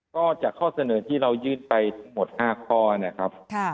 ก็จากข้อเสนอที่เรายื่นไปทั้งหมด๕ข้อนะครับ